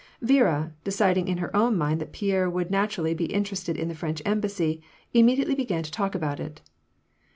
Viera, deciding in her own mind that Pierre would natu rally be interested in the French embassy, immediately began to talk about it.